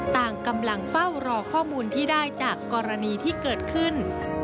ต่างกำลังเฝ้ารอข้อมูลที่ได้จากกรณีที่เกิดขึ้น